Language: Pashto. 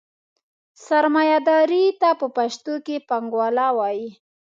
سرمایهداري ته پښتو کې پانګواله وایي.